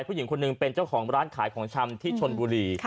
ผู้หญิงคนหนึ่งเป็นเจ้าของร้านขายของชำที่ชนบุรี